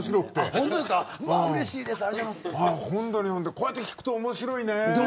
こうやって聞くと面白いね。